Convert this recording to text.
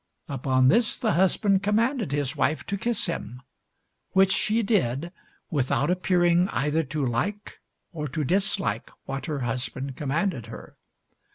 Upon this, the husband commanded his wife to kiss him, which she did without appearing either to like or to dislike what her husband commanded her.